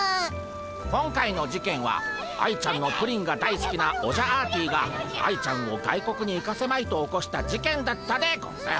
今回の事件は愛ちゃんのプリンが大すきなオジャアーティが愛ちゃんを外国に行かせまいと起こした事件だったでゴンス。